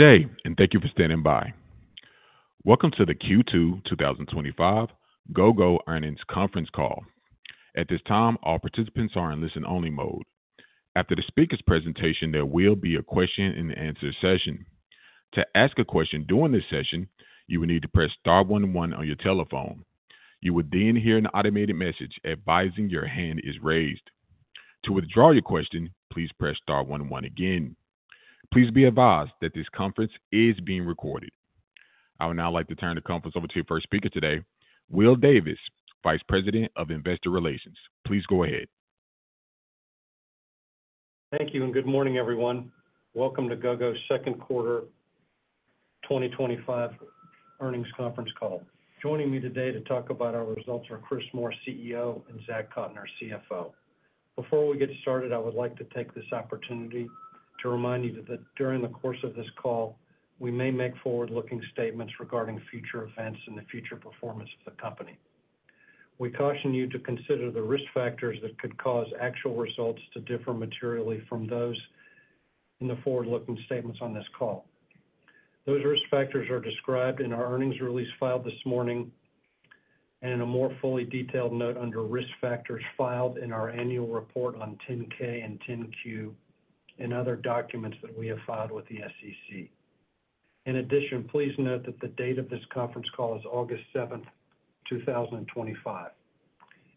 Today, and thank you for standing by. Welcome to the Q2 2025 Gogo earnings conference call. At this time, all participants are in listen-only mode. After the speaker's presentation, there will be a question-and-answer session. To ask a question during this session, you will need to press star one one on your telephone. You will then hear an automated message advising your hand is raised. To withdraw your question, please press star one one again. Please be advised that this conference is being recorded. I would now like to turn the conference over to the first speaker today, Will Davis, Vice President of Investor Relations. Please go ahead. Thank you and good morning, everyone. Welcome to Gogo's second quarter 2025 earnings conference call. Joining me today to talk about our results are Chris Moore, CEO, and Zach Cotner, CFO. Before we get started, I would like to take this opportunity to remind you that during the course of this call, we may make forward-looking statements regarding future events and the future performance of the company. We caution you to consider the risk factors that could cause actual results to differ materially from those in the forward-looking statements on this call. Those risk factors are described in our earnings release filed this morning and in a more fully detailed note under risk factors filed in our annual report on 10-K and 10-Q and other documents that we have filed with the SEC. In addition, please note that the date of this conference call is August 7th, 2025.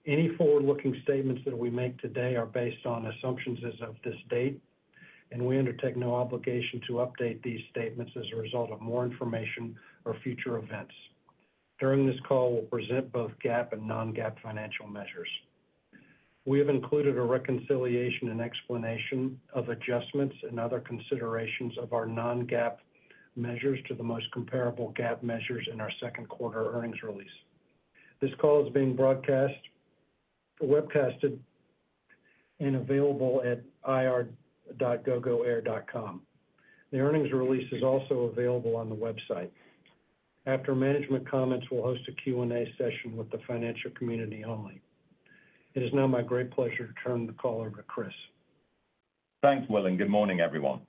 Any forward-looking statements that we make today are based on assumptions as of this date, and we undertake no obligation to update these statements as a result of more information or future events. During this call, we'll present both GAAP and non-GAAP financial measures. We have included a reconciliation and explanation of adjustments and other considerations of our non-GAAP measures to the most comparable GAAP measures in our second quarter earnings release. This call is being broadcast, webcasted, and available at ir.gogoair.com. The earnings release is also available on the website. After management comments, we'll host a Q&A session with the financial community only. It is now my great pleasure to turn the call over to Chris. Thanks, Will, and good morning, everyone.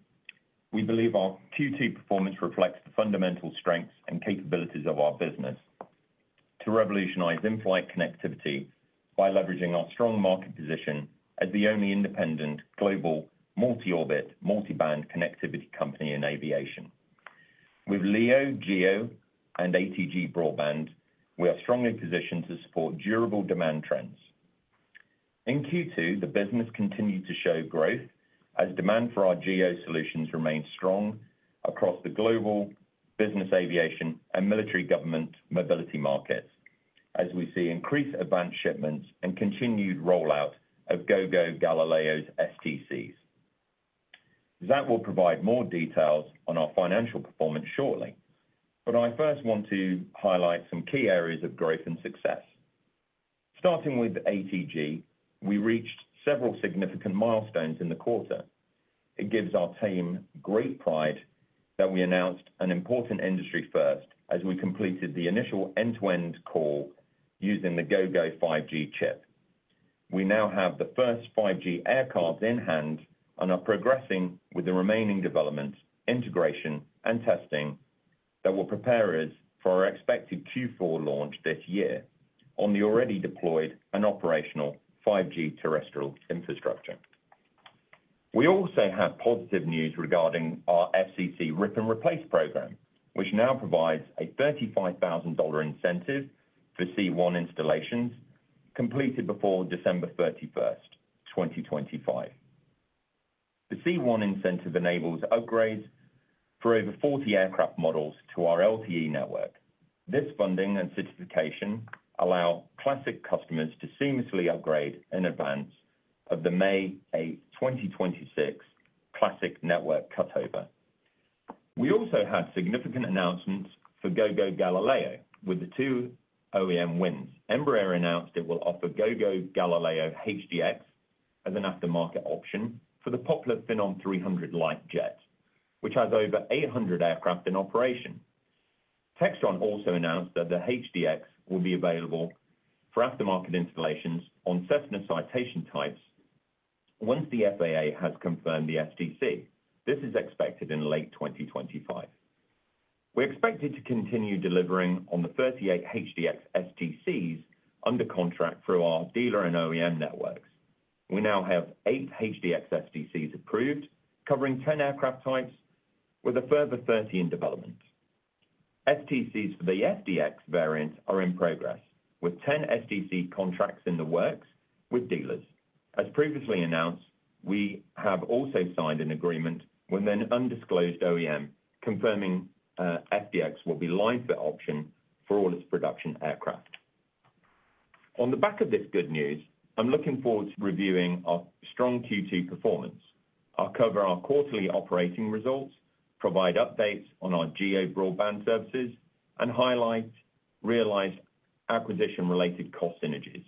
We believe our Q2 performance reflects the fundamental strengths and capabilities of our business to revolutionize inflight connectivity by leveraging our strong market position as the only independent global multi-orbit, multiband connectivity company in aviation. With LEO, GEO, and ATG broadband, we are strongly positioned to support durable demand trends. In Q2, the business continued to show growth as demand for our GEO solutions remained strong across the global business, aviation, and military government mobility markets, as we see increased advanced shipments and continued rollout of Gogo Galileo's STCs. Zach will provide more details on our financial performance shortly, but I first want to highlight some key areas of growth and success. Starting with ATG, we reached several significant milestones in the quarter. It gives our team great pride that we announced an important industry first as we completed the initial end-to-end call using the Gogo 5G chip. We now have the first 5G aircraft in hand and are progressing with the remaining developments, integration, and testing that will prepare us for our expected Q4 launch this year on the already deployed and operational 5G terrestrial infrastructure. We also have positive news regarding our FCC Rip-and-Replace program, which now provides a $35,000 incentive for C1 installations completed before December 31st, 2025. The C1 incentive enables upgrades for over 40 aircraft models to our LTE network. This funding and certification allows classic customers to seamlessly upgrade in advance of the May 8, 2026 classic network cutover. We also had significant announcements for Gogo Galileo with the two OEM wins. Embraer announced it will offer Gogo Galileo HDX as an aftermarket option for the popular Phenom 300 light jet, which has over 800 aircraft in operation. Textron also announced that the HDX will be available for aftermarket installations on Cessna Citation types once the FAA has confirmed the STC. This is expected in late 2025. We're expected to continue delivering on the 38 HDX STCs under contract through our dealer and OEM networks. We now have eight HDX STCs approved covering 10 aircraft types with a further 30 in development. STCs for the FDX variants are in progress with 10 STC contracts in the works with dealers. As previously announced, we have also signed an agreement with an undisclosed OEM confirming FDX will be the option for all its production aircraft. On the back of this good news, I'm looking forward to reviewing our strong Q2 performance. I'll cover our quarterly operating results, provide updates on our GEO broadband services, and highlight realized acquisition-related cost synergies.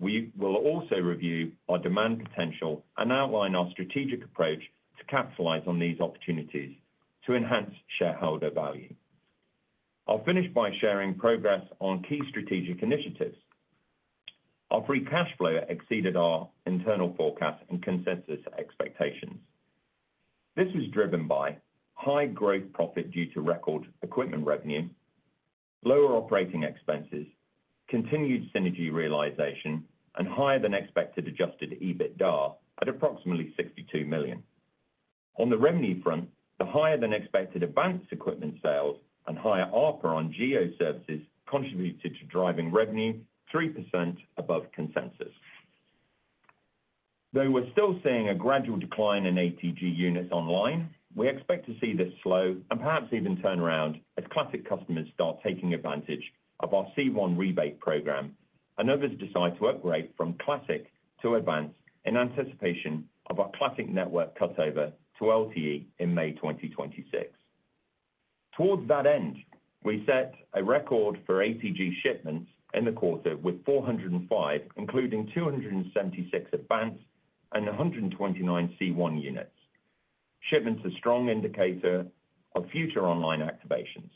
We will also review our demand potential and outline our strategic approach to capitalize on these opportunities to enhance shareholder value. I'll finish by sharing progress on key strategic initiatives. Our free cash flow exceeded our internal forecast and consensus expectations. This was driven by high growth profit due to record equipment revenue, lower operating expenses, continued synergy realization, and higher than expected adjusted EBITDA at approximately $62 million. On the revenue front, the higher than expected advanced equipment sales and higher ARPA on GEO services contributed to driving revenue 3% above consensus. Though we're still seeing a gradual decline in ATG units online, we expect to see this slow and perhaps even turn around as classic customers start taking advantage of our C1 rebate program and others decide to upgrade from classic to AVANCE in anticipation of our classic network cutover to LTE in May 2026. Towards that end, we set a record for ATG shipments in the quarter with 405, including 276 AVANCE and 129 C1 units. Shipments are a strong indicator of future online activations.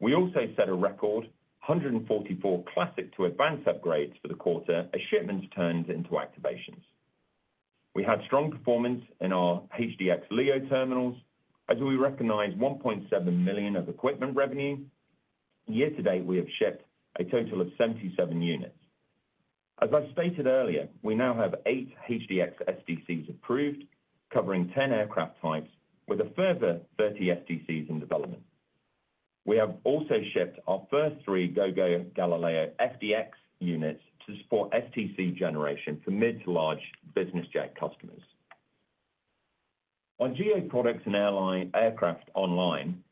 We also set a record 144 classic to AVANCE upgrades for the quarter as shipments turned into activations. We had strong performance in our HDX LEO terminals as we recognize $1.7 million of equipment revenue. Year to date, we have shipped a total of 77 units. As I stated earlier, we now have eight HDX STCs approved covering 10 aircraft types with a further 30 STCs in development. We have also shipped our first three Gogo Galileo FDX units to support STC generation for mid to large business jet customers. Our GEO products and airline aircraft online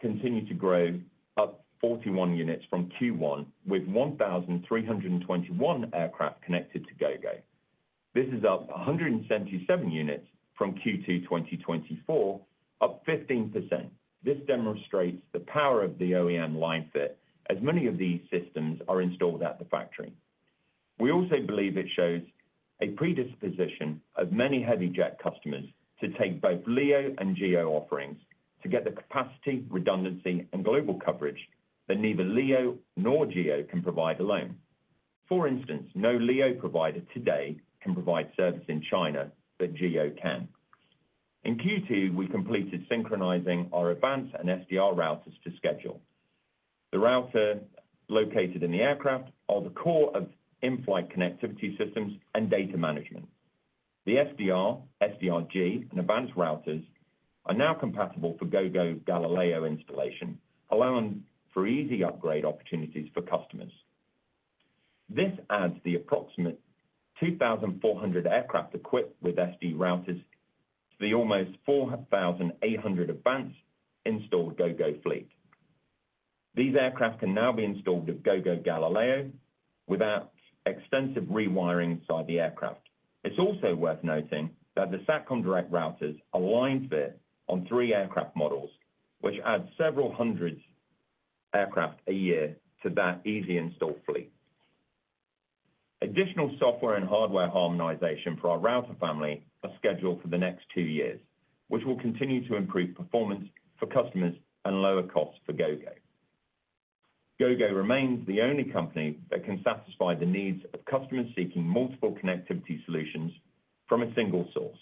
continue to grow, up 41 units from Q1 with 1,321 aircraft connected to Gogo. This is up 177 units from Q2 2024, up 15%. This demonstrates the power of the OEM line fit as many of these systems are installed at the factory. We also believe it shows a predisposition of many heavy jet customers to take both LEO and GEO offerings to get the capacity, redundancy, and global coverage that neither LEO nor GEO can provide alone. For instance, no LEO provider today can provide service in China that GEO can. In Q2, we completed synchronizing our AVANCE and SDR routers to schedule. The router located in the aircraft is the core of inflight connectivity systems and data management. The SDR, SDRG, and AVANCE routers are now compatible for Gogo Galileo installation, allowing for easy upgrade opportunities for customers. This adds the approximate 2,400 aircraft equipped with SDR routers to the almost 4,800 AVANCE installed Gogo fleet. These aircraft can now be installed with Gogo Galileo without extensive rewiring inside the aircraft. It's also worth noting that the Satcom Direct Routers are lined with on three aircraft models, which adds several hundreds of aircraft a year to that easy install fleet. Additional software and hardware harmonization for our router family are scheduled for the next two years, which will continue to improve performance for customers and lower costs for Gogo. Gogo remains the only company that can satisfy the needs of customers seeking multiple connectivity solutions from a single source.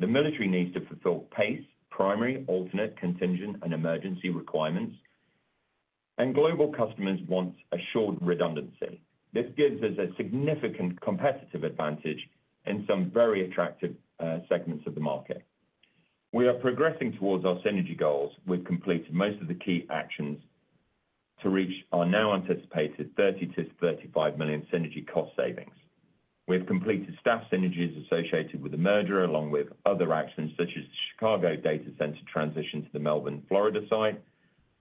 The military needs to fulfill PACE, primary, alternate, contingent, and emergency requirements, and global customers want assured redundancy. This gives us a significant competitive advantage in some very attractive segments of the market. We are progressing towards our synergy goals. We've completed most of the key actions to reach our now anticipated $30 million-$35 million synergy cost savings. We've completed staff synergies associated with the merger, along with other actions such as the Chicago data center transition to the Melbourne, Florida site,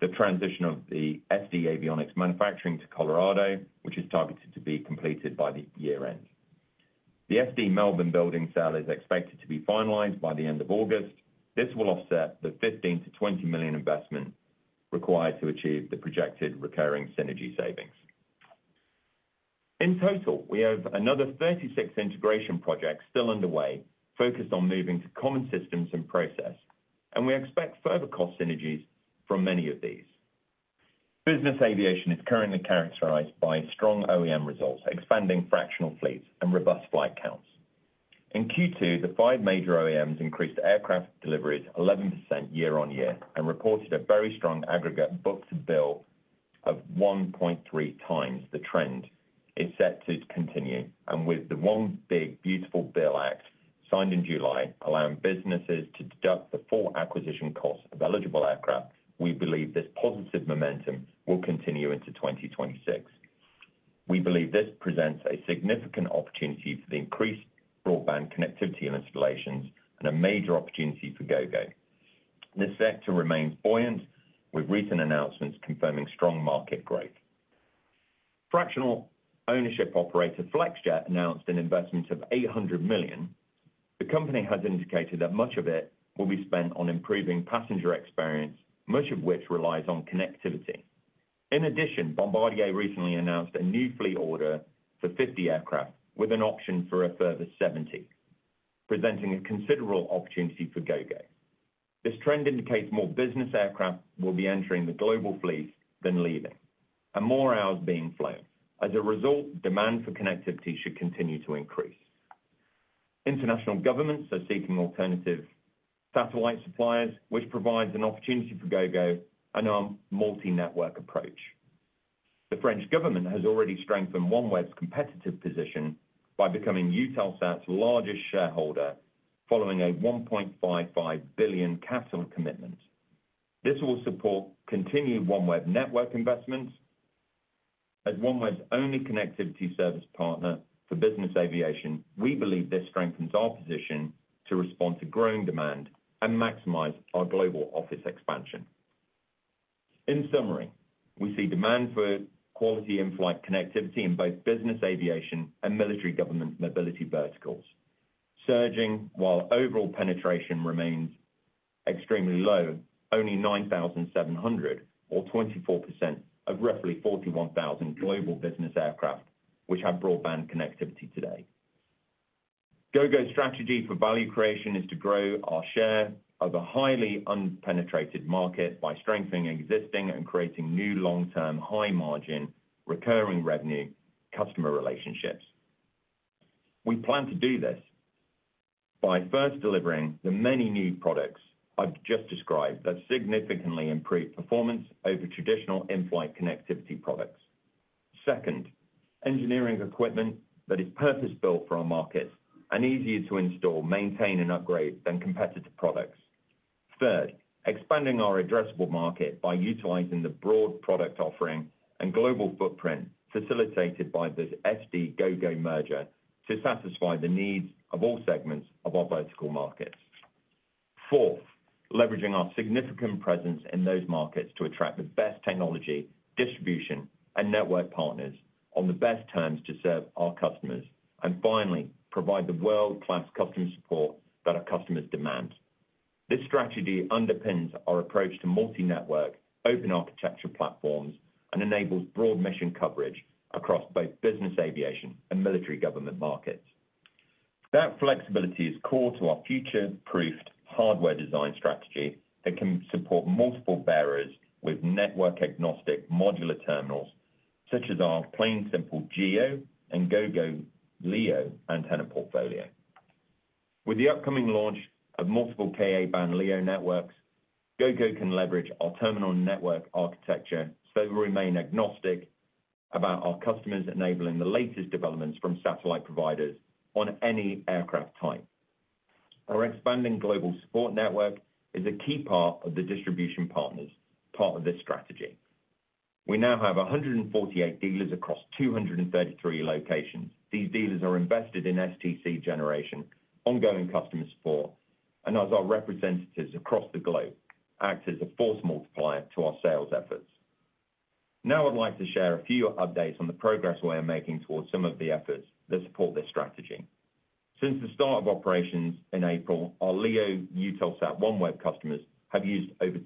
the transition of the SD avionics manufacturing to Colorado, which is targeted to be completed by the year-end. The SD Melbourne building sale is expected to be finalized by the end of August. This will offset the $15 million-$20 million investment required to achieve the projected recurring synergy savings. In total, we have another 36 integration projects still underway, focused on moving to common systems and process, and we expect further cost synergies from many of these. Business aviation is currently characterized by strong OEM results, expanding fractional fleets, and robust flight counts. In Q2, the five major OEMs increased aircraft deliveries 11% year on year and reported a very strong aggregate book-to-bill of 1.3x the trend. It's set to continue, and with the One Big Beautiful Bill Act signed in July, allowing businesses to deduct the full acquisition cost of eligible aircraft, we believe this positive momentum will continue into 2026. We believe this presents a significant opportunity for the increased broadband connectivity installations and a major opportunity for Gogo. This sector remains buoyant with recent announcements confirming strong market growth. Fractional ownership operator Flexjet announced an investment of $800 million. The company has indicated that much of it will be spent on improving passenger experience, much of which relies on connectivity. In addition, Bombardier recently announced a new fleet order for 50 aircraft with an option for a further 70, presenting a considerable opportunity for Gogo. This trend indicates more business aircraft will be entering the global fleet than leaving, and more hours being flown. As a result, demand for connectivity should continue to increase. International governments are seeking alternative satellite suppliers, which provides an opportunity for Gogo and our multi-network approach. The French Government has already strengthened OneWeb's competitive position by becoming Eutelsat's largest shareholder following a $1.55 billion capital commitment. This will support continued OneWeb network investments. As OneWeb's only connectivity service partner for business aviation, we believe this strengthens our position to respond to growing demand and maximize our global office expansion. In summary, we see demand for quality inflight connectivity in both business aviation and military government mobility verticals surging while overall penetration remains extremely low, only 9,700 or 24% of roughly 41,000 global business aircraft which have broadband connectivity today. Gogo's strategy for value creation is to grow our share of a highly unpenetrated market by strengthening existing and creating new long-term high-margin recurring revenue customer relationships. We plan to do this by first delivering the many new products I've just described that significantly improve performance over traditional inflight connectivity products. Second, engineering equipment that is purpose-built for our markets and easier to install, maintain, and upgrade than competitor products. Third, expanding our addressable market by utilizing the broad product offering and global footprint facilitated by this SD-Gogo merger to satisfy the needs of all segments of our vertical markets. Fourth, leveraging our significant presence in those markets to attract the best technology, distribution, and network partners on the best terms to serve our customers, and finally, provide the world-class customer support that our customers demand. This strategy underpins our approach to multi-network, open-architecture platforms and enables broad mission coverage across both business aviation and military government markets. That flexibility is core to our future-proofed hardware design strategy that can support multiple bearers with network-agnostic modular terminals such as our Plane Simple GEO and Gogo LEO antenna portfolio. With the upcoming launch of multiple Ka-band LEO networks, Gogo can leverage our terminal network architecture so we remain agnostic about our customers enabling the latest developments from satellite providers on any aircraft type. Our expanding global support network is a key part of the distribution partners' part of this strategy. We now have 148 dealers across 233 locations. These dealers are invested in STC generation, ongoing customer support, and as our representatives across the globe act as a force multiplier to our sales efforts. Now I'd like to share a few updates on the progress we're making towards some of the efforts that support this strategy. Since the start of operations in April, our LEO Eutelsat OneWeb customers have used over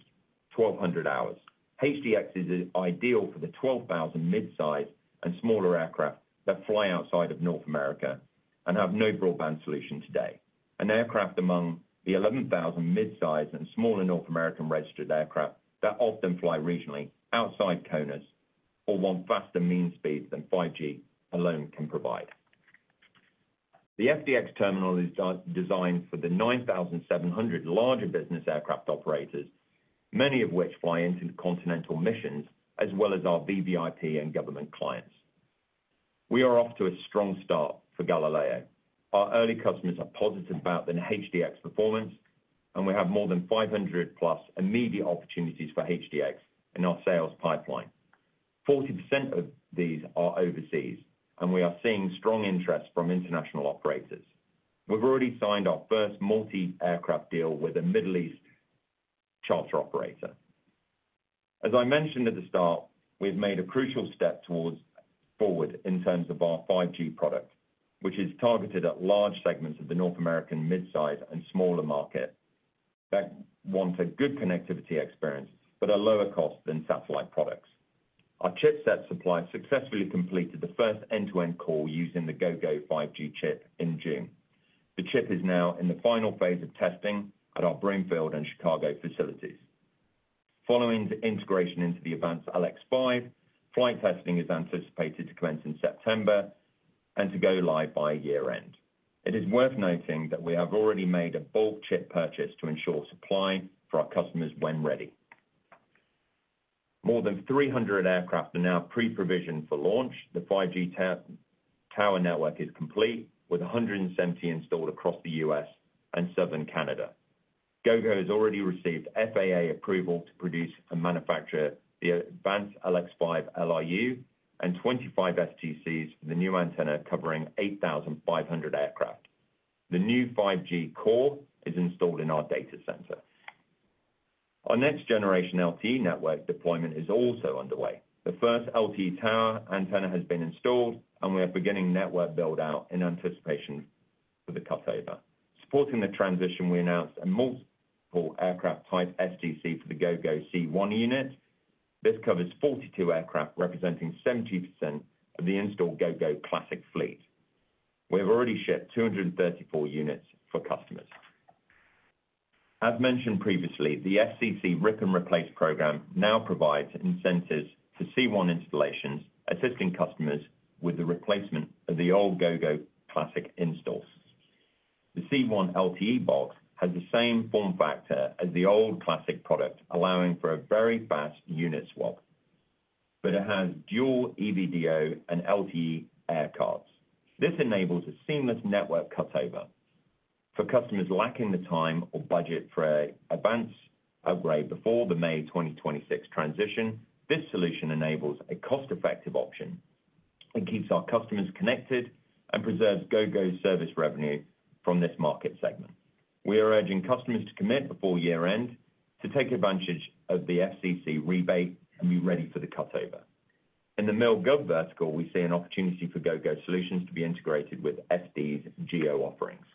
1,200 hours. HDX is ideal for the 12,000 mid-size and smaller aircraft that fly outside of North America and have no broadband solution today. An aircraft among the 11,000 mid-size and smaller North American registered aircraft that often fly regionally outside CONUS or want faster mean speeds than 5G alone can provide. The FDX terminal is designed for the 9,700 larger business aircraft operators, many of which fly into continental missions as well as our VVIP and government clients. We are off to a strong start for Galileo. Our early customers are positive about the HDX performance, and we have more than 500+ immediate opportunities for HDX in our sales pipeline. 40% of these are overseas, and we are seeing strong interest from international operators. We've already signed our first multi-aircraft deal with a Middle East charter operator. As I mentioned at the start, we've made a crucial step forward in terms of our 5G product, which is targeted at large segments of the North American mid-size and smaller market that want a good connectivity experience but a lower cost than satellite products. Our chipset supplier successfully completed the first end-to-end call using the Gogo 5G chip in June. The chip is now in the final phase of testing at our Broomfield and Chicago facilities. Following the integration into the AVANCE LX5, flight testing is anticipated to commence in September and to go live by year-end. It is worth noting that we have already made a bulk chip purchase to ensure supply for our customers when ready. More than 300 aircraft are now pre-provisioned for launch. The 5G tower network is complete with 170 installed across the U.S. and southern Canada. Gogo has already received FAA approval to produce and manufacture the AVANCE LX5 LRU and 25 STCs for the new antenna covering 8,500 aircraft. The new 5G core is installed in our data center. Our next-generation LTE network deployment is also underway. The first LTE tower antenna has been installed, and we are beginning network build-out in anticipation for the cutover. Supporting the transition, we announced a multiple aircraft type STC for the Gogo C1 unit. This covers 42 aircraft, representing 70% of the installed Gogo classic fleet. We have already shipped 234 units for customers. As mentioned previously, the FCC Rip-and-Replace Program now provides incentives for C1 installations, assisting customers with the replacement of the old Gogo classic installs. The C1 LTE box has the same form factor as the old classic product, allowing for a very fast unit swap, but it has dual EV-DO and LTE aircards. This enables a seamless network cutover. For customers lacking the time or budget for an advanced upgrade before the May 2026 transition, this solution enables a cost-effective option and keeps our customers connected and preserves Gogo service revenue from this market segment. We are urging customers to commit before year-end to take advantage of the FCC rebate and be ready for the cutover. In the MIL/GOV vertical, we see an opportunity for Gogo solutions to be integrated with SD's GEO offerings.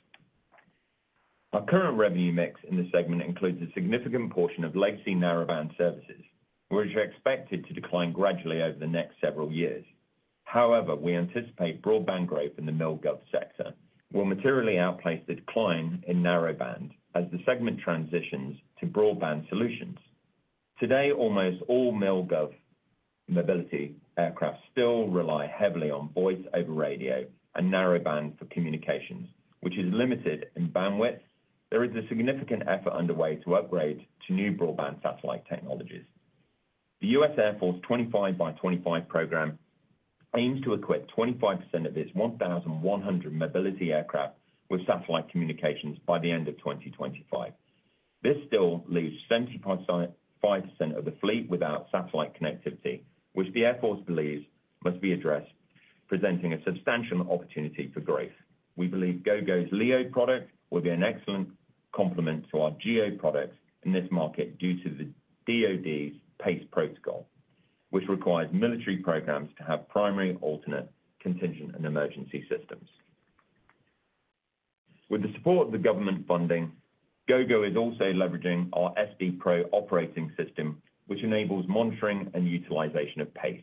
Our current revenue mix in this segment includes a significant portion of legacy narrowband services, which are expected to decline gradually over the next several years. However, we anticipate broadband growth in the milgov sector will materially outpace the decline in narrowband as the segment transitions to broadband solutions. Today, almost all MIL/GOV mobility aircraft still rely heavily on voice over radio and narrowband for communications, which is limited in bandwidth. There is a significant effort underway to upgrade to new broadband satellite technologies. The U.S. Air Force 25 by 25 program aims to equip 25% of this 1,100 mobility aircraft with satellite communications by the end of 2025. This still leaves 70.5% of the fleet without satellite connectivity, which the Air Force believes must be addressed, presenting a substantial opportunity for growth. We believe Gogo's LEO product will be an excellent complement to our GEO product in this market due to the DOD's PACE protocol, which requires military programs to have primary, alternate, contingent, and emergency systems. With the support of the government funding, Gogo is also leveraging our SD Pro operating system, which enables monitoring and utilization of PACE.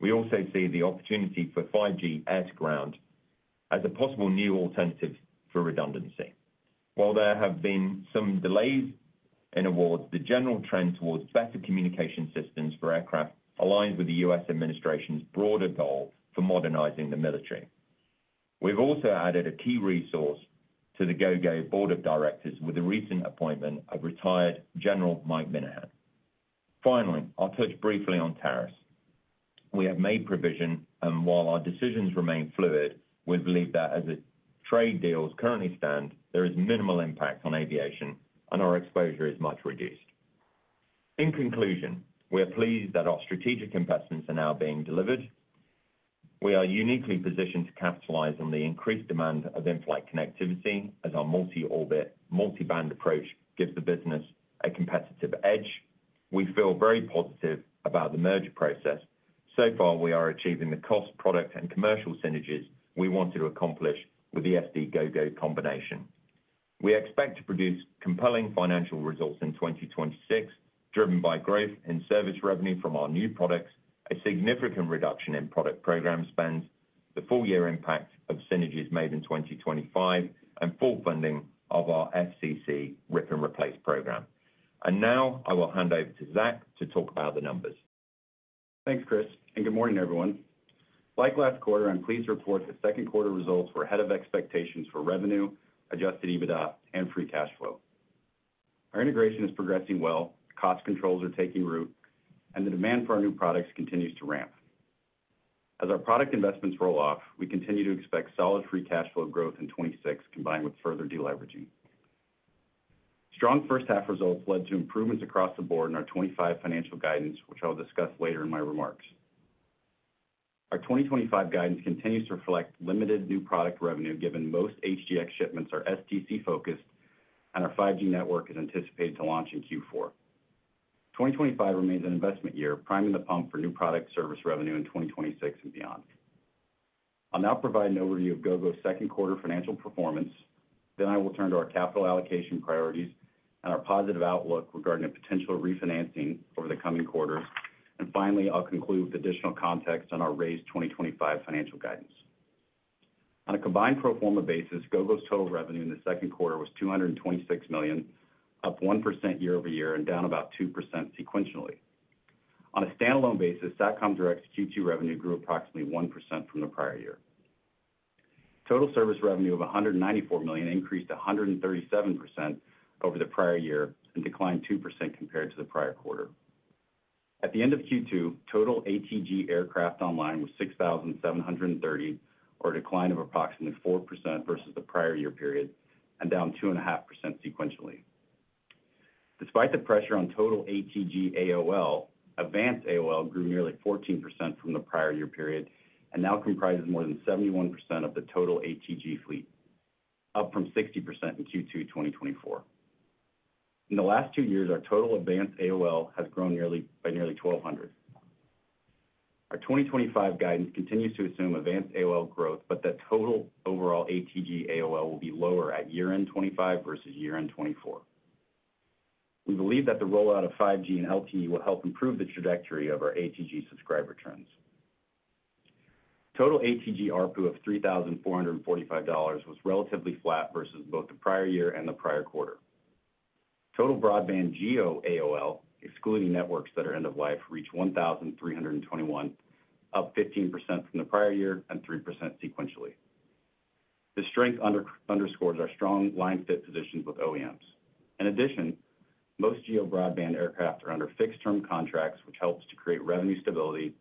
We also see the opportunity for 5G air-to-ground as a possible new alternative for redundancy. While there have been some delays in awards, the general trend towards better communication systems for aircraft aligns with the U.S. administration's broader goal for modernizing the military. We've also added a key resource to the Gogo Board of Directors with the recent appointment of retired General Mike Minahan. Finally, I'll touch briefly on tariffs. We have made provision, and while our decisions remain fluid, we believe that as trade deals currently stand, there is minimal impact on aviation and our exposure is much reduced. In conclusion, we are pleased that our strategic investments are now being delivered. We are uniquely positioned to capitalize on the increased demand of inflight connectivity as our multi-orbit, multi-band approach gives the business a competitive edge. We feel very positive about the merger process. We are achieving the cost, product, and commercial synergies we wanted to accomplish with the SD-Gogo combination. We expect to produce compelling financial results in 2026, driven by growth in service revenue from our new products, a significant reduction in product program spend, the full-year impact of synergies made in 2025, and full funding of our FCC Rip-and-Replace Program. Now I will hand over to Zach to talk about the numbers. Thanks, Chris, and good morning, everyone. Like last quarter, I'm pleased to report that second quarter results were ahead of expectations for revenue, adjusted EBITDA, and free cash flow. Our integration is progressing well, cost controls are taking root, and the demand for our new products continues to ramp. As our product investments roll off, we continue to expect solid free cash flow growth in 2026, combined with further deleveraging. Strong first half results led to improvements across the board in our 2025 financial guidance, which I'll discuss later in my remarks. Our 2025 guidance continues to reflect limited new product revenue, given most HDX shipments are STC-focused and our 5G network is anticipated to launch in Q4. 2025 remains an investment year, priming the pump for new product service revenue in 2026 and beyond. I'll now provide an overview of Gogo's second quarter financial performance, then I will turn to our capital allocation priorities and our positive outlook regarding a potential refinancing over the coming quarters. Finally, I'll conclude with additional context on our raised 2025 financial guidance. On a combined pro forma basis, Gogo's total revenue in the second quarter was $226 million, up 1% year-over-year and down about 2% sequentially. On a standalone basis, Satcom Direct's Q2 revenue grew approximately 1% from the prior year. Total service revenue of $194 million increased 137% over the prior year and declined 2% compared to the prior quarter. At the end of Q2, total ATG aircraft online was 6,730, or a decline of approximately 4% versus the prior year period and down 2.5% sequentially. Despite the pressure on total ATG AOL, AVANCE AOL grew nearly 14% from the prior year period and now comprises more than 71% of the total ATG fleet, up from 60% in Q2 2024. In the last two years, our total AVANCE AOL has grown by nearly 1,200. Our 2025 guidance continues to assume AVANCE AOL growth, but the total overall ATG AOL will be lower at year-end 2025 versus year-end 2024. We believe that the rollout of 5G and LTE will help improve the trajectory of our ATG subscriber trends. Total ATG ARPU of $3,445 was relatively flat versus both the prior year and the prior quarter. Total broadband GEO AOL, excluding networks that are end-of-life, reached 1,321, up 15% from the prior year and 3% sequentially. This strength underscores our strong line fit positions with OEMs. In addition, most GEO broadband aircraft are under fixed-term contracts, which helps to create revenue stability,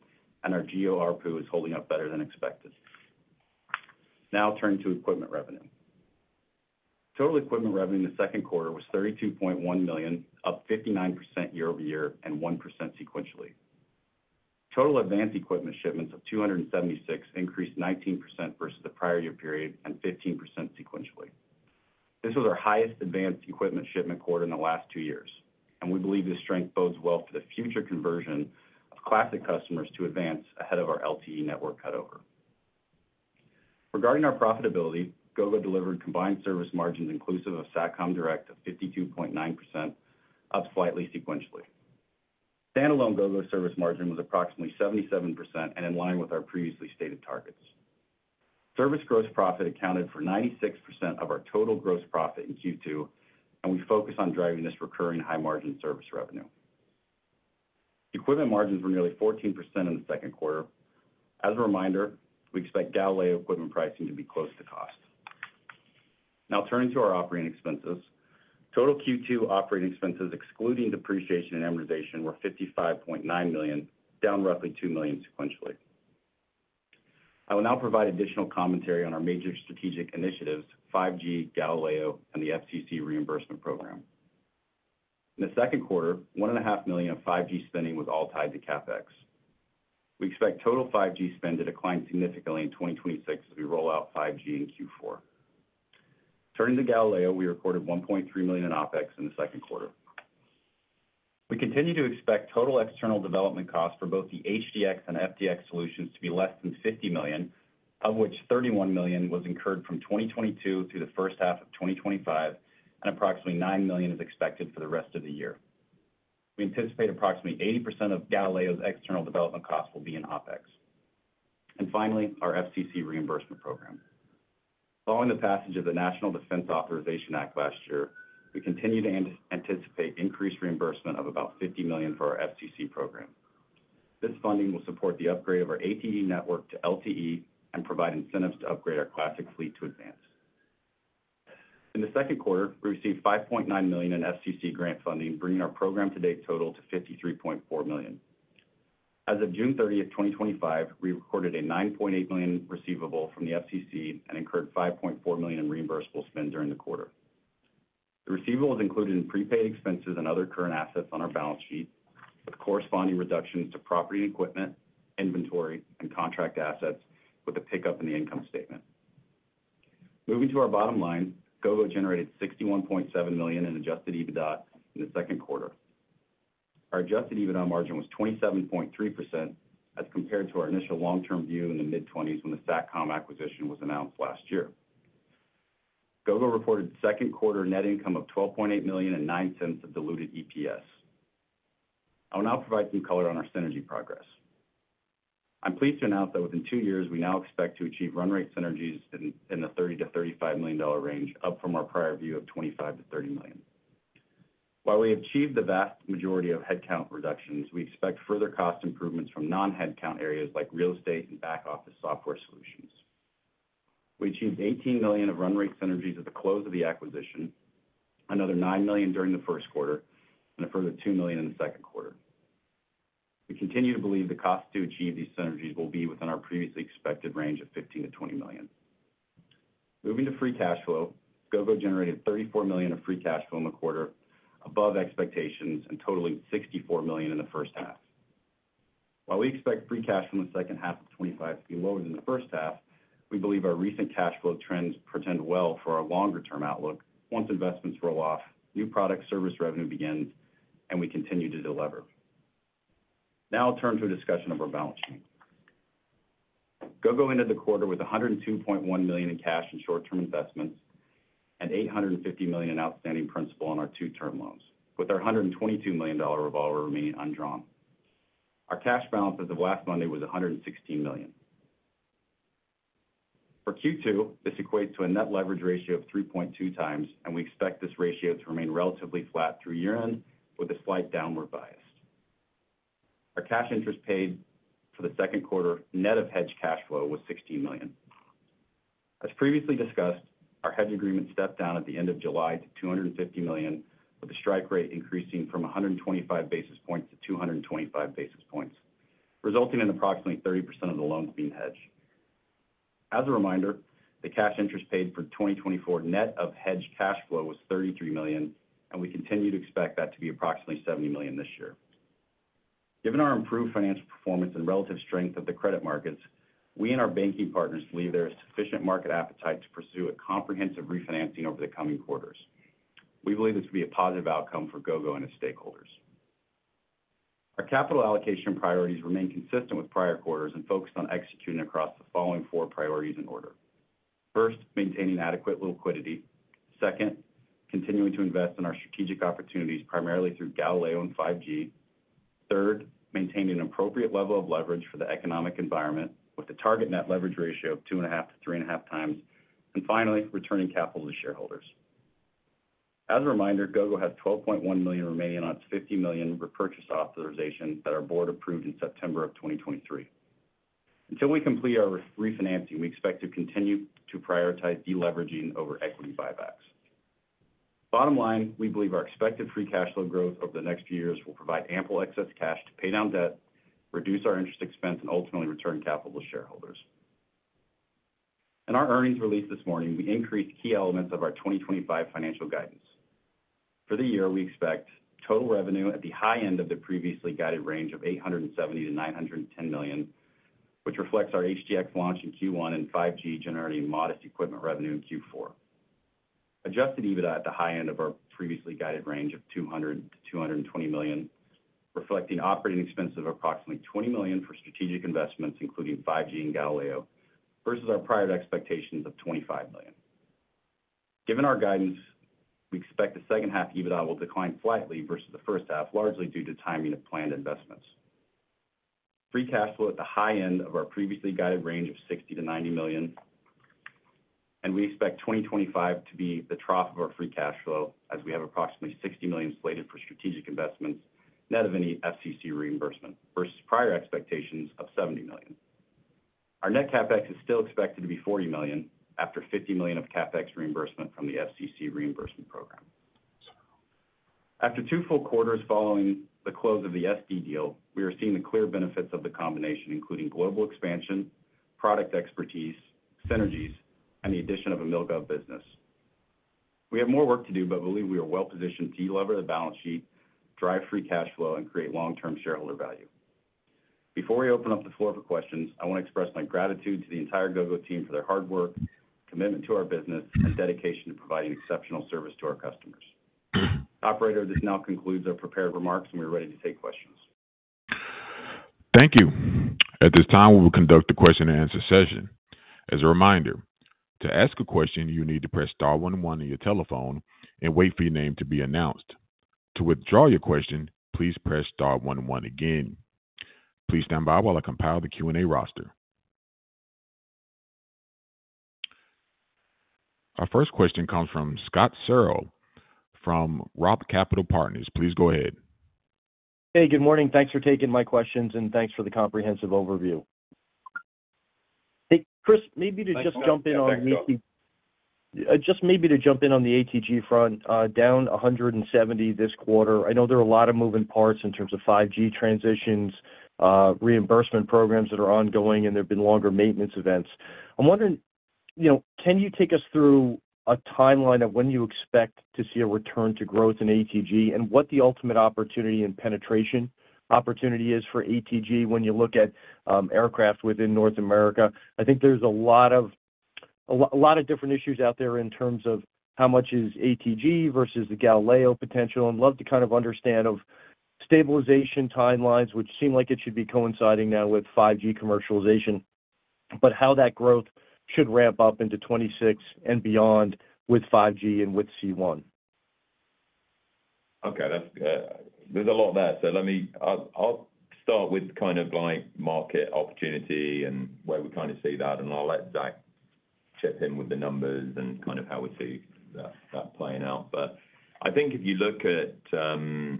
and our GEO ARPU is holding up better than expected. Now I'll turn to equipment revenue. Total equipment revenue in the second quarter was $32.1 million, up 59% year-over-year and 1% sequentially. Total advanced equipment shipments of 276 increased 19% versus the prior year period and 15% sequentially. This was our highest advanced equipment shipment quarter in the last two years, and we believe this strength bodes well for the future conversion of classic customers to AVANCE ahead of our LTE network cutover. Regarding our profitability, Gogo delivered combined service margins inclusive of Satcom Direct of 52.9%, up slightly sequentially. Standalone Gogo service margin was approximately 77% and in line with our previously stated targets. Service gross profit accounted for 96% of our total gross profit in Q2, and we focus on driving this recurring high-margin service revenue. Equipment margins were nearly 14% in the second quarter. As a reminder, we expect Galileo equipment pricing to be close to cost. Now turning to our operating expenses, total Q2 operating expenses, excluding depreciation and amortization, were $55.9 million, down roughly $2 million sequentially. I will now provide additional commentary on our major strategic initiatives: 5G, Galileo, and the FCC reimbursement program. In the second quarter, $1.5 million of 5G spending was all tied to CapEx. We expect total 5G spend to decline significantly in 2026 as we roll out 5G in Q4. Turning to Galileo, we recorded $1.3 million in OpEx in the second quarter. We continue to expect total external development costs for both the HDX and FDX solutions to be less than $50 million, of which $31 million was incurred from 2022 through the first half of 2025, and approximately $9 million is expected for the rest of the year. We anticipate approximately 80% of Galileo's external development costs will be in OpEx. Finally, our FCC reimbursement program. Following the passage of the National Defense Authorization Act last year, we continue to anticipate increased reimbursement of about $50 million for our FCC program. This funding will support the upgrade of our ATG network to LTE and provide incentives to upgrade our classic fleet to Advanced. In the second quarter, we received $5.9 million in FCC grant funding, bringing our program-to-date total to $53.4 million. As of June 30th, 2025, we recorded a $9.8 million receivable from the FCC and incurred $5.4 million in reimbursable spend during the quarter. The receivable is included in prepaid expenses and other current assets on our balance sheet, with corresponding reductions to property and equipment, inventory, and contract assets, with a pickup in the income statement. Moving to our bottom line, Gogo generated $61.7 million in adjusted EBITDA in the second quarter. Our adjusted EBITDA margin was 27.3% as compared to our initial long-term view in the mid-20s when the Satcom acquisition was announced last year. Gogo reported second quarter net income of $12.8 million and $0.09 of diluted EPS. I will now provide some color on our synergy progress. I'm pleased to announce that within two years, we now expect to achieve run-rate synergies in the $30 million-$35 million range, up from our prior view of $25 million-$30 million. While we achieved the vast majority of headcount reductions, we expect further cost improvements from non-headcount areas like real estate and back-office software solutions. We achieved $18 million of run-rate synergies at the close of the acquisition, another $9 million during the first quarter, and a further $2 million in the second quarter. We continue to believe the cost to achieve these synergies will be within our previously expected range of $15 million-$20 million. Moving to free cash flow, Gogo generated $34 million of free cash flow in the quarter, above expectations and totaling $64 million in the first half. While we expect free cash flow in the second half of 2025 to be lower than the first half, we believe our recent cash flow trends present well for our longer-term outlook once investments roll off, new product service revenue begins, and we continue to deliver. Now I'll turn to a discussion of our balance sheet. Gogo ended the quarter with $102.1 million in cash and short-term investments and $850 million in outstanding principal on our two term loans, with our $122 million revolver remaining undrawn. Our cash balance at last Monday was $116 million. For Q2, this equates to a net leverage ratio of 3.2x, and we expect this ratio to remain relatively flat through year-end with a slight downward bias. Our cash interest paid for the second quarter net of hedge cash flow was $16 million. As previously discussed, our hedge agreement stepped down at the end of July to $250 million, with the strike rate increasing from 125 basis points to 225 basis points, resulting in approximately 30% of the loans being hedged. As a reminder, the cash interest paid for 2024 net of hedge cash flow was $33 million, and we continue to expect that to be approximately $70 million this year. Given our improved financial performance and relative strength of the credit markets, we and our banking partners believe there is sufficient market appetite to pursue a comprehensive refinancing over the coming quarters. We believe this would be a positive outcome for Gogo and its stakeholders. Our capital allocation priorities remain consistent with prior quarters and focused on executing across the following four priorities in order. First, maintaining adequate liquidity. Second, continuing to invest in our strategic opportunities, primarily through Galileo and 5G. Third, maintaining an appropriate level of leverage for the economic environment, with a target net leverage ratio of 2.5x-3.5x, and finally, returning capital to shareholders. As a reminder, Gogo had $12.1 million remaining on its $50 million repurchase authorization that our board approved in September of 2023. Until we complete our refinancing, we expect to continue to prioritize deleveraging over equity buybacks. Bottom line, we believe our expected free cash flow growth over the next few years will provide ample excess cash to pay down debt, reduce our interest expense, and ultimately return capital to shareholders. In our earnings release this morning, we increased key elements of our 2025 financial guidance. For the year, we expect total revenue at the high end of the previously guided range of $870 million-$910 million, which reflects our HDX launch in Q1 and 5G generating modest equipment revenue in Q4. Adjusted EBITDA at the high end of our previously guided range of $200 million-$220 million, reflecting operating expenses of approximately $20 million for strategic investments, including 5G and Galileo, versus our prior expectations of $25 million. Given our guidance, we expect the second half EBITDA will decline slightly versus the first half, largely due to timing of planned investments. Free cash flow at the high end of our previously guided range of $60 million-$90 million, and we expect 2025 to be the trough of our free cash flow as we have approximately $60 million slated for strategic investments, net of any FCC reimbursement, versus prior expectations of $70 million. Our net CapEx is still expected to be $40 million after $50 million of CapEx reimbursement from the FCC reimbursement program. After two full quarters following the close of the SD deal, we are seeing the clear benefits of the combination, including global expansion, product expertise, synergies, and the addition of a MIL/GOV business. We have more work to do, but believe we are well positioned to deliver the balance sheet, drive free cash flow, and create long-term shareholder value. Before we open up the floor for questions, I want to express my gratitude to the entire Gogo team for their hard work, commitment to our business, and dedication to providing exceptional service to our customers. Operator, this now concludes our prepared remarks, and we're ready to take questions. Thank you. At this time, we will conduct a question and answer session. As a reminder, to ask a question, you need to press star one one on your telephone and wait for your name to be announced. To withdraw your question, please press star one one again. Please stand by while I compile the Q&A roster. Our first question comes from Scott Searle from Roth Capital Partners. Please go ahead. Hey, good morning. Thanks for taking my questions and thanks for the comprehensive overview. Hey, Chris, maybe to just jump in on the ATG front, down $170 million this quarter. I know there are a lot of moving parts in terms of 5G transitions, reimbursement programs that are ongoing, and there have been longer maintenance events. I'm wondering, you know, can you take us through a timeline of when you expect to see a return to growth in ATG and what the ultimate opportunity and penetration opportunity is for ATG when you look at aircraft within North America? I think there's a lot of different issues out there in terms of how much is ATG versus the Galileo potential. I'd love to kind of understand stabilization timelines, which seem like it should be coinciding now with 5G commercialization, but how that growth should ramp up into 2026 and beyond with 5G and with C1. Okay, that's good. There's a lot there. Let me, I'll start with kind of like market opportunity and where we kind of see that, and I'll let Zach chip in with the numbers and kind of how we see that playing out. I think if you look at the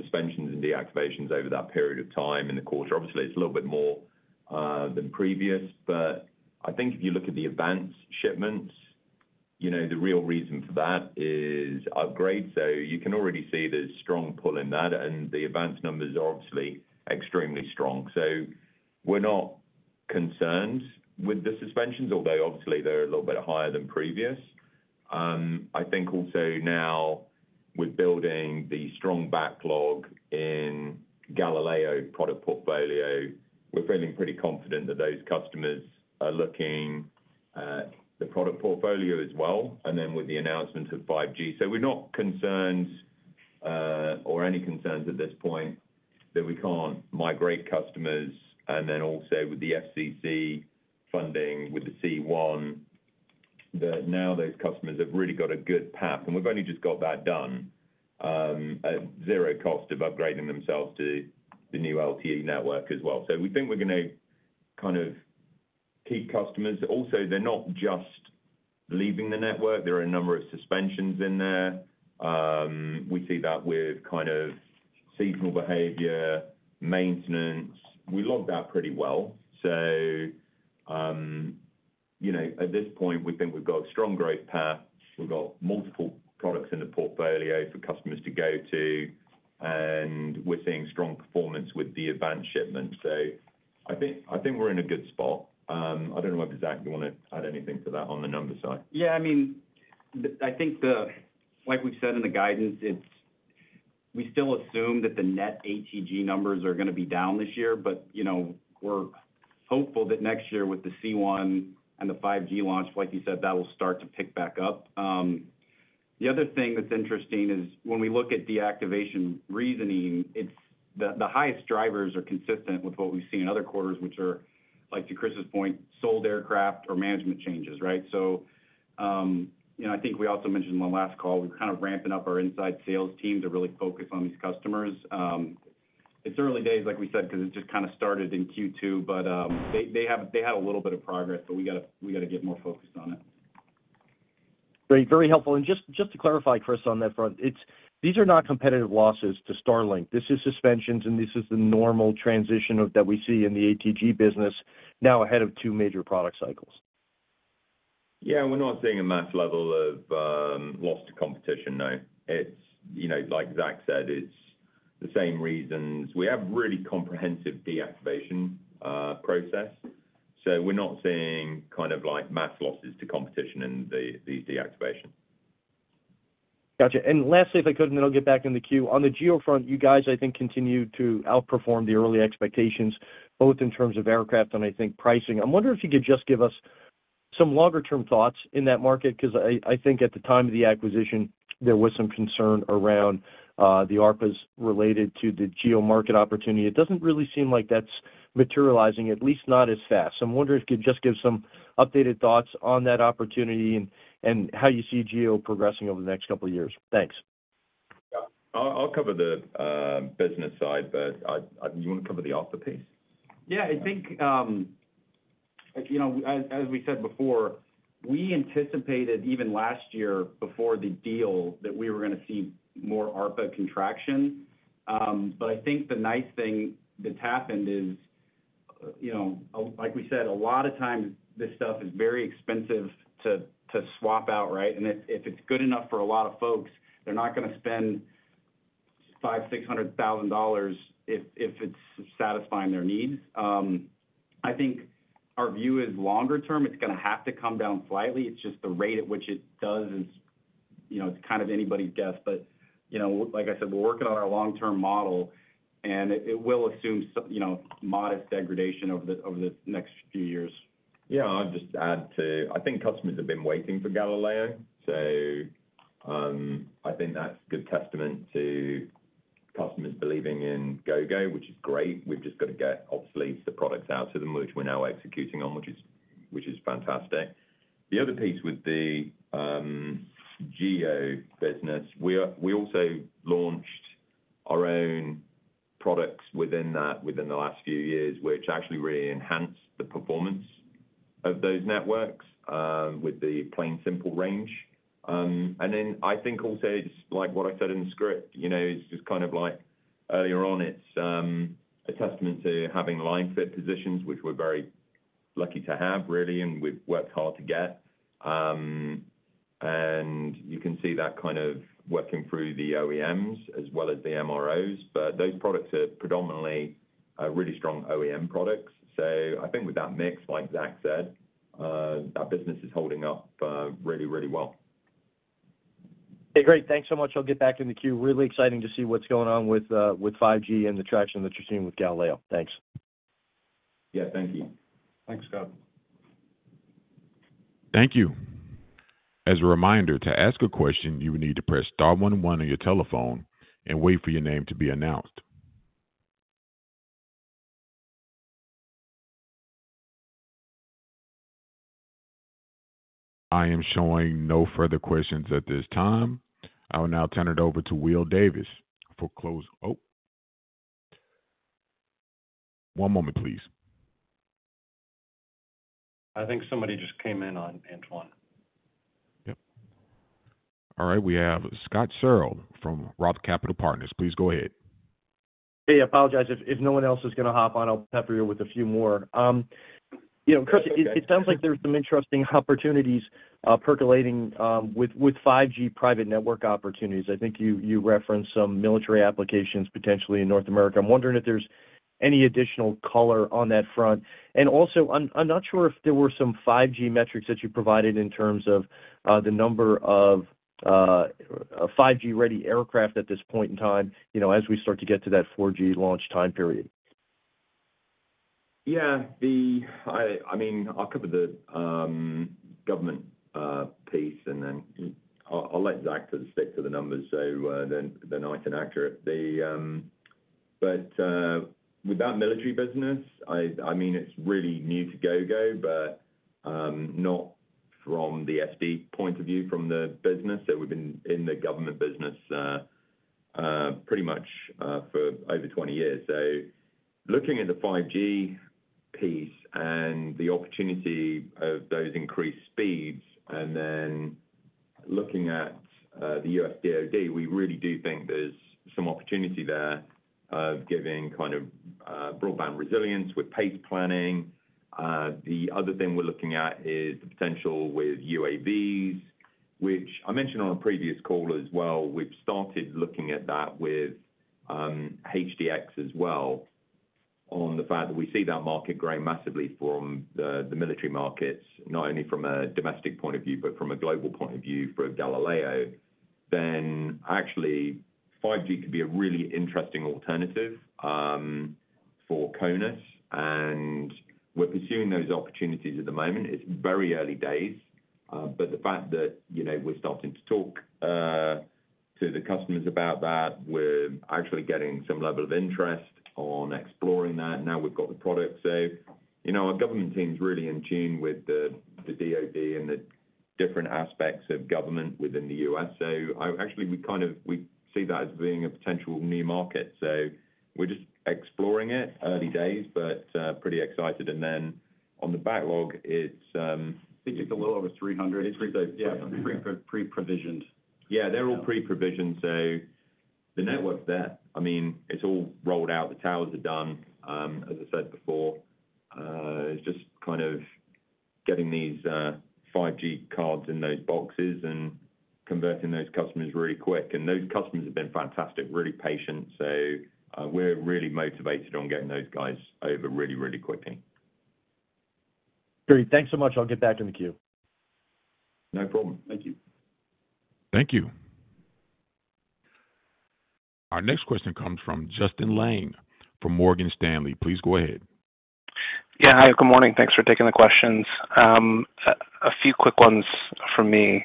suspensions and deactivations over that period of time in the quarter, obviously it's a little bit more than previous, but I think if you look at the AVANCE shipments, the real reason for that is upgrades. You can already see there's strong pull in that, and the AVANCE numbers are obviously extremely strong. We're not concerned with the suspensions, although obviously they're a little bit higher than previous. I think also now with building the strong backlog in the Galileo product portfolio, we're feeling pretty confident that those customers are looking at the product portfolio as well, and then with the announcement of 5G. We're not concerned or any concerns at this point that we can't migrate customers, and also with the FCC funding, with the C1, that now those customers have really got a good path, and we've only just got that done at zero cost of upgrading themselves to the new LTE network as well. We think we're going to kind of keep customers. Also, they're not just leaving the network. There are a number of suspensions in there. We see that with kind of seasonal behavior, maintenance. We logged that pretty well. At this point, we think we've got a strong growth path. We've got multiple products in the portfolio for customers to go to, and we're seeing strong performance with the AVANCE shipment. I think we're in a good spot. I don't know whether Zach, you want to add anything to that on the number side. Yeah, I mean, I think, like we've said in the guidance, we still assume that the net ATG numbers are going to be down this year, but we're hopeful that next year with the C1 and the 5G launch, like you said, that will start to pick back up. The other thing that's interesting is when we look at deactivation reasoning, the highest drivers are consistent with what we've seen in other quarters, which are, like to Chris's point, sold aircraft or management changes, right? I think we also mentioned in the last call, we've kind of ramped up our inside sales teams to really focus on these customers. It's early days, like we said, because it just kind of started in Q2, but they have a little bit of progress, but we got to get more focused on it. Very, very helpful. Just to clarify, Chris, on that front, these are not competitive losses to Starlink. This is suspensions, and this is the normal transition that we see in the ATG business now ahead of two major product cycles. Yeah, we're not seeing a mass level of loss to competition, no. It's, you know, like Zach said, it's the same reasons. We have a really comprehensive deactivation process. We're not seeing kind of like mass losses to competition in the deactivation. Gotcha. Lastly, if I could, then I'll get back in the queue, on the GEO front, you guys, I think, continue to outperform the early expectations, both in terms of aircraft and I think pricing. I'm wondering if you could just give us some longer-term thoughts in that market, because I think at the time of the acquisition, there was some concern around the ARPUs related to the GEO market opportunity. It doesn't really seem like that's materializing, at least not as fast. I'm wondering if you could just give some updated thoughts on that opportunity and how you see GEO progressing over the next couple of years. Thanks. I'll cover the business side, do you want to cover the ARPU piece? Yeah, I think, as we said before, we anticipated even last year before the deal that we were going to see more ARPU contraction. I think the nice thing that's happened is, like we said, a lot of times this stuff is very expensive to swap out, right? If it's good enough for a lot of folks, they're not going to spend $500,000, $600,000 if it's satisfying their needs. I think our view is longer term, it's going to have to come down slightly. It's just the rate at which it does, it's kind of anybody's guess. Like I said, we're working on our long-term model, and it will assume modest degradation over the next few years. Yeah, I'll just add to, I think customers have been waiting for Galileo. I think that's a good testament to customers believing in Gogo, which is great. We've just got to get obviously the products out to them, which we're now executing on, which is fantastic. The other piece with the GEO business, we also launched our own products within that within the last few years, which actually really enhanced the performance of those networks with the Plane Simple range. I think also, just like what I said in the script, you know, it's just kind of like earlier on, it's a testament to having line fit positions, which we're very lucky to have, really, and we've worked hard to get. You can see that kind of working through the OEMs as well as the MROs. Those products are predominantly really strong OEM products. I think with that mix, like Zach said, that business is holding up really, really well. Great, thanks so much. I'll get back in the queue. Really exciting to see what's going on with 5G and the traction that you're seeing with Galileo. Thanks. Thank you. Thanks, Scott. Thank you. As a reminder, to ask a question, you will need to press star onenone on your telephone and wait for your name to be announced. I am showing no further questions at this time. I will now turn it over to Will Davis for close. One moment, please. I think somebody just came in on Antoine. All right, we have Scott Searle from Roth Capital Partners. Please go ahead. Hey, I apologize. If no one else is going to hop on, I'll pepper you with a few more. You know, Chris, it sounds like there's some interesting opportunities percolating with 5G private network opportunities. I think you referenced some military applications potentially in North America. I'm wondering if there's any additional color on that front. I'm not sure if there were some 5G metrics that you provided in terms of the number of 5G-ready aircraft at this point in time, you know, as we start to get to that 4G launch time period. Yeah, I mean, I'll cover the government piece, and then I'll let Zach stick to the numbers, so they're nice and accurate. With that military business, I mean, it's really new to Gogo, but not from the SD point of view from the business. We've been in the government business pretty much for over 20 years. Looking at the 5G piece and the opportunity of those increased speeds, and then looking at the U.S. DOD, we really do think there's some opportunity there of giving kind of broadband resilience with PACE planning. The other thing we're looking at is the potential with UAVs, which I mentioned on a previous call as well. We've started looking at that with HDX as well on the fact that we see that market growing massively from the military markets, not only from a domestic point of view, but from a global point of view for Galileo. Actually, 5G could be a really interesting alternative for CONUS, and we're pursuing those opportunities at the moment. It's very early days, but the fact that we're starting to talk to the customers about that, we're actually getting some level of interest on exploring that. Now we've got the product. Our government team's really in tune with the DOD and the different aspects of government within the U.S. We kind of see that as being a potential new market. We're just exploring it, early days, but pretty excited. On the backlog, it's. I think it's a little over 300. It's pre-provisioned. Yeah, they're all pre-provisioned. The network's there. I mean, it's all rolled out. The towers are done. As I said before, it's just kind of getting these 5G cards in those boxes and converting those customers really quick. Those customers have been fantastic, really patient. We're really motivated on getting those guys over really, really quickly. Great. Thanks so much. I'll get back in the queue. No problem. Thank you. Thank you. Our next question comes from Justin Lang from Morgan Stanley. Please go ahead. Yeah, hi. Good morning. Thanks for taking the questions. A few quick ones from me.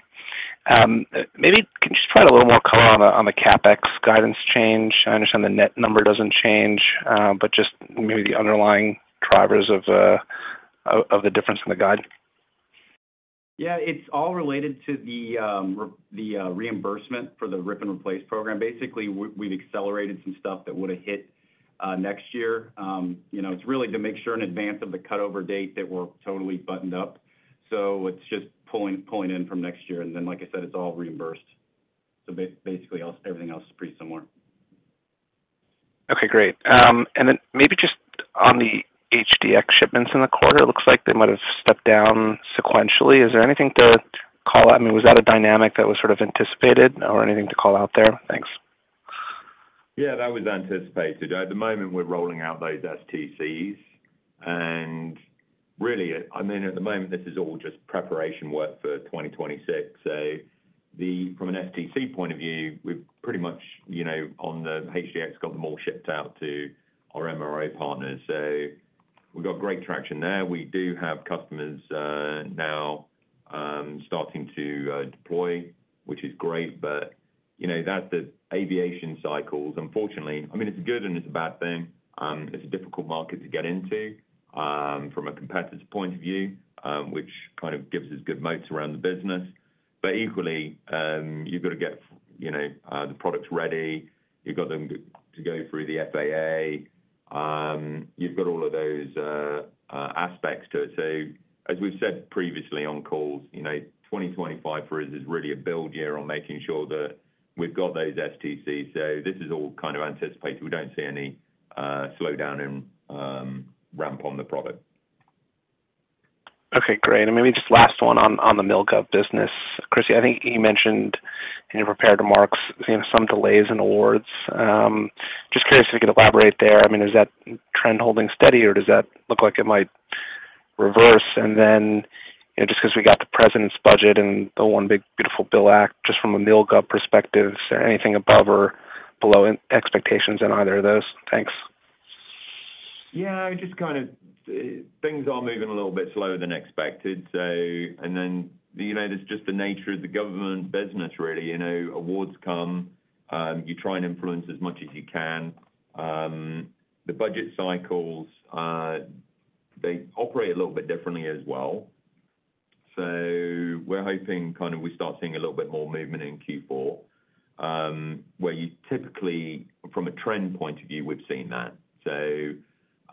Maybe can you just provide a little more color on the CapEx guidance change? I understand the net number doesn't change, but just maybe the underlying drivers of the difference in the guide. Yeah, it's all related to the reimbursement for the Rip-and-Replace Program. Basically, we've accelerated some stuff that would have hit next year. It's really to make sure in advance of the cutover date that we're totally buttoned up. It's just pulling in from next year, and like I said, it's all reimbursed. Basically, everything else is pretty similar. Okay, great. Maybe just on the HDX shipments in the quarter, it looks like they might have stepped down sequentially. Is there anything to call out? I mean, was that a dynamic that was sort of anticipated or anything to call out there? Thanks. Yeah, that was anticipated. At the moment, we're rolling out those STCs. Really, at the moment, this is all just preparation work for 2026. From an STC point of view, we've pretty much, you know, on the HDX, got them all shipped out to our MRO partners. We've got great traction there. We do have customers now starting to deploy, which is great. That's the aviation cycles. Unfortunately, it's a good and it's a bad thing. It's a difficult market to get into from a competitor's point of view, which kind of gives us good moats around the business. Equally, you've got to get, you know, the products ready. You've got them to go through the FAA. You've got all of those aspects to it. As we've said previously on calls, 2025 for us is really a build year on making sure that we've got those STCs. This is all kind of anticipated. We don't see any slowdown and ramp on the product. Okay, great. Maybe just last one on the mil gov business. Chris, I think you mentioned in your prepared remarks, you know, some delays in awards. Just curious if you could elaborate there. I mean, is that trend holding steady or does that look like it might reverse? You know, just because we got the President's budget and the One Big Beautiful Bill act, just from a MIL/GOV perspective, is there anything above or below expectations in either of those? Thanks? Yeah, I mean, things are moving a little bit slower than expected. There's just the nature of the government business, really. Awards come, you try and influence as much as you can. The budget cycles operate a little bit differently as well. We're hoping we start seeing a little bit more movement in Q4, where typically, from a trend point of view, we've seen that.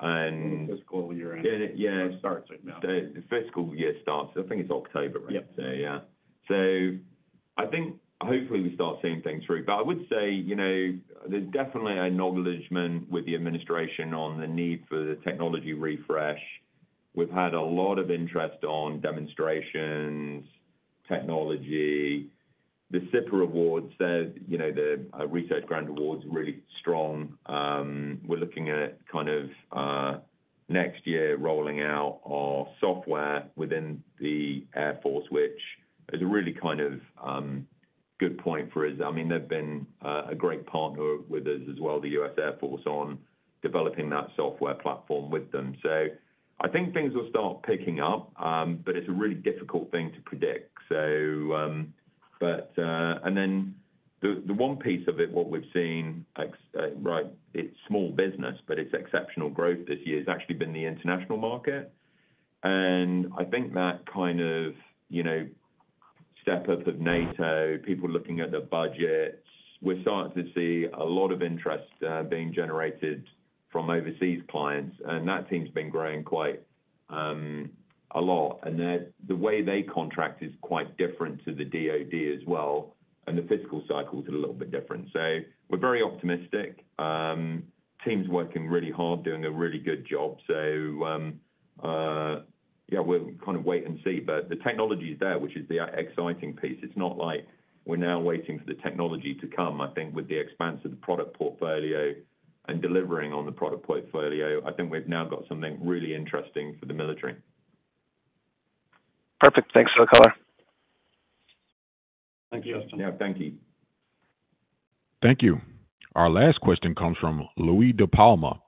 Fiscal year, yeah, it starts right now. The fiscal year starts, I think it's October, right? Yeah, I think hopefully we start seeing things through. I would say there's definitely an acknowledgement with the administration on the need for the technology refresh. We've had a lot of interest on demonstrations, technology, the CIPR awards. The research grant awards are really strong. We're looking at next year rolling out our software within the Air Force, which is a really good point for us. They've been a great partner with us as well, the U.S. Air Force, on developing that software platform with them. I think things will start picking up, but it's a really difficult thing to predict. The one piece of it, what we've seen, it's small business, but it's exceptional growth this year. It's actually been the international market. I think that kind of step-up of NATO, people looking at the budget, we're starting to see a lot of interest being generated from overseas clients. That team's been growing quite a lot. The way they contract is quite different to the DOD as well. The fiscal cycles are a little bit different. We're very optimistic. Team's working really hard, doing a really good job. We'll kind of wait and see. The technology is there, which is the exciting piece. It's not like we're now waiting for the technology to come. I think with the expanse of the product portfolio and delivering on the product portfolio, I think we've now got something really interesting for the military. Perfect. Thanks for the color. Thank you, Justin. Thank you. Thank you. Our last question comes from Louie DiPalma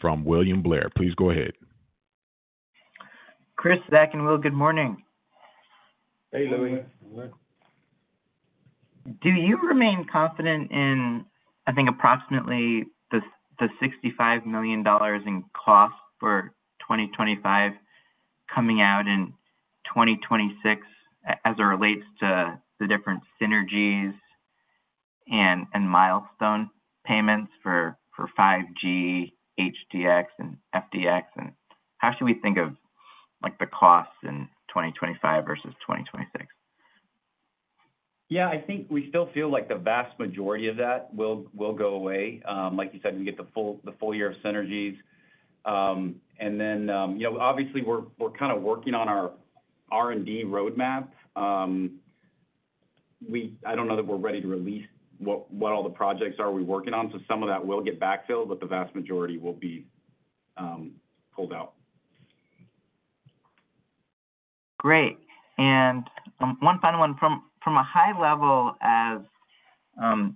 from William Blair. Please go ahead. Chris, Zach, and Will, good morning. Hey, Louie. Do you remain confident in, I think, approximately $65 million in cost for 2025 coming out in 2026 as it relates to the different synergies and milestone payments for 5G, HDX, and FDX? How should we think of like the costs in 2025 versus 2026? Yeah, I think we still feel like the vast majority of that will go away. Like you said, we get the full year of synergies. Obviously, we're kind of working on our R&D roadmap. I don't know that we're ready to release what all the projects are we're working on. Some of that will get backfilled, but the vast majority will be pulled out. Great. One final one. From a high level, as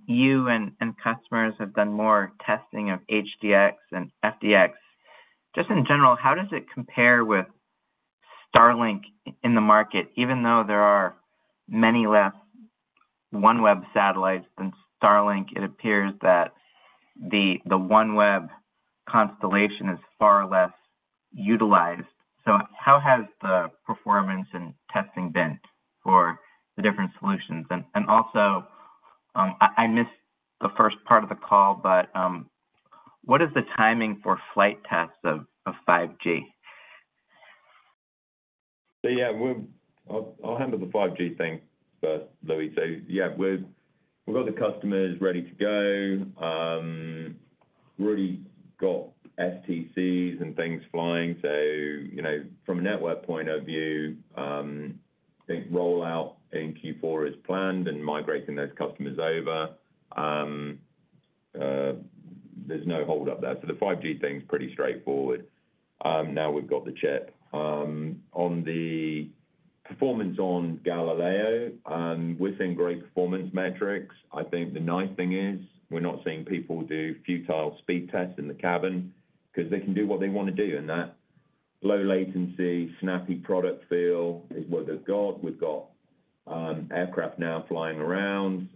you and customers have done more testing of HDX and FDX, just in general, how does it compare with Starlink in the market? Even though there are many less OneWeb satellites than Starlink, it appears that the OneWeb constellation is far less utilized. How has the performance and testing been for the different solutions? I missed the first part of the call, but what is the timing for flight tests of 5G? Yeah, I'll handle the 5G thing, but Louie. We've got the customers ready to go, really got STCs and things flying. From a network point of view, rollout in Q4 is planned and migrating those customers over. There's no holdup there. The 5G thing's pretty straightforward. Now we've got the chip. On the performance on Galileo, we're seeing great performance metrics. The nice thing is we're not seeing people do futile speed tests in the cabin because they can do what they want to do. That low latency, snappy product feel is what they've got. We've got aircraft now flying around,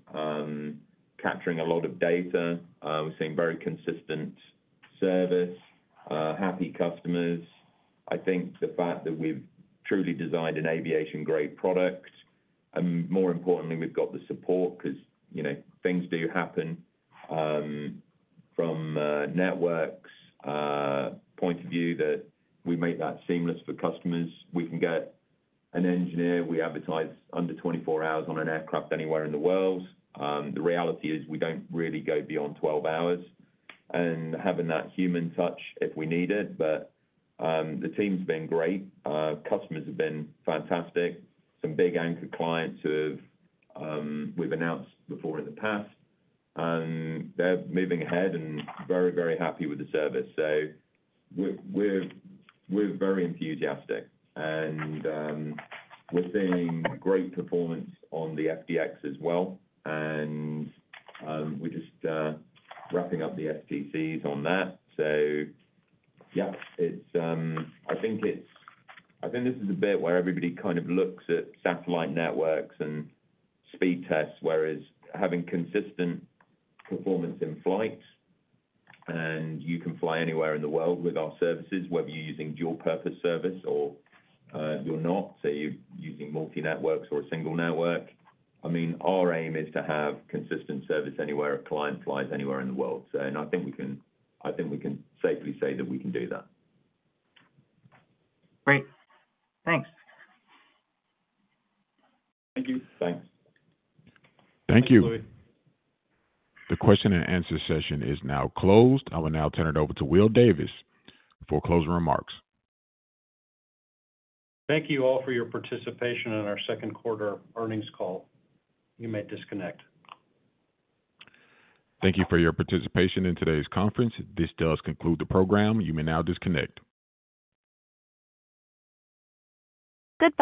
capturing a lot of data. We're seeing very consistent service, happy customers. The fact that we've truly designed an aviation-grade product, and more importantly, we've got the support because things do happen from a network's point of view that we make that seamless for customers. We can get an engineer. We advertise under 24 hours on an aircraft anywhere in the world. The reality is we don't really go beyond 12 hours and having that human touch if we need it. The team's been great. Customers have been fantastic. Some big anchor clients who we've announced before in the past, they're moving ahead and very, very happy with the service. We're very enthusiastic. We're seeing great performance on the FDX as well, and we're just wrapping up the STCs on that. This is a bit where everybody kind of looks at satellite networks and speed tests, whereas having consistent performance in flights, and you can fly anywhere in the world with our services, whether you're using dual-purpose service or you're not, so you're using multi-networks or a single network. Our aim is to have consistent service anywhere a client flies anywhere in the world, and I think we can safely say that we can do that. Great. Thanks. Thank you. Thanks. Thank you. The question and answer session is now closed. I will now turn it over to Will Davis for closing remarks. Thank you all for your participation in our second quarter earnings call. You may disconnect. Thank you for your participation in today's conference. This does conclude the program. You may now disconnect. Good.